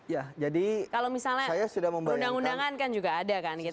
ya jadi kalau misalnya undang undangan kan juga ada kan kita di depan